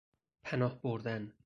پناه بردن